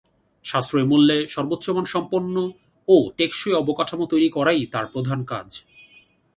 সাশ্রয়ী মূল্যে সর্বোচ্চ মান সম্পন্ন ও টেকসই অবকাঠামো তৈরি করাই তার প্রধান কাজ।